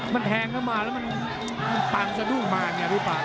มันแทงเข้ามาแล้วมันตางสะดุ่งมาเงี่ยพี่ปาก